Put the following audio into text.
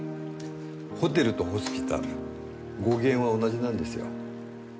ホテルとホスピタル語源は同じなんですよ。